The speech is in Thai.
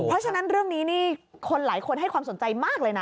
เพราะฉะนั้นเรื่องนี้นี่คนหลายคนให้ความสนใจมากเลยนะ